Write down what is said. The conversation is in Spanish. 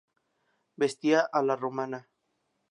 Vestía a la romana.